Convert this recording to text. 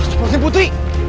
masuk langsung putri